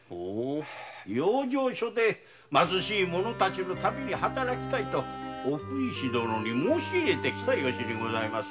養生所で貧しい者たちのために働きたいと奥医師殿に申し入れてきた由にございます。